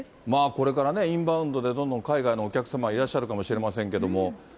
これからね、インバウンドでどんどん海外のお客様、いらっしゃるかもしれませんけども。